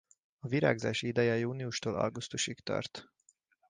A virágzási ideje júniustól augusztusig tart.